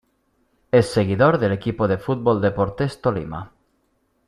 Es seguidor del equipo de fútbol Deportes Tolima.